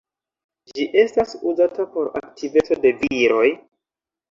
Ĝi estas uzata por aktiveco de viroj.